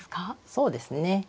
そうですね。